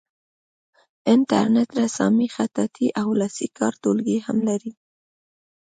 انټرنیټ رسامي خطاطي او لاسي کار ټولګي هم لري.